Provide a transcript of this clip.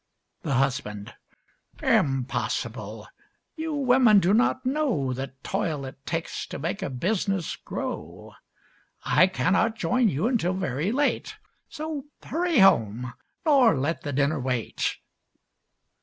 THE HUSBAND Impossible! You women do not know The toil it takes to make a business grow. I cannot join you until very late, So hurry home, nor let the dinner wait.